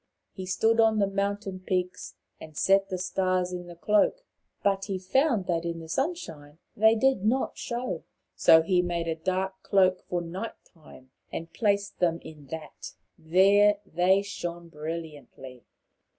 He stood on the mountain peaks and set the stars in the cloak. But he found that in the sunshine they did not show. So he made a dark cloak for night time, and placed them in that. There they shone brilliantly.